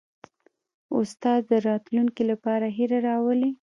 استاد د راتلونکي لپاره هیله راولي.